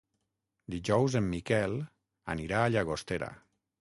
Dijous en Miquel anirà a Llagostera.